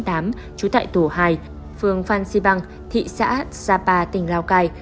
trú tại tổ hai phường phan xipang thị xã sapa tỉnh lào cai